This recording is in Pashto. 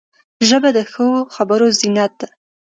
ژبه د ښو خبرو زینت ده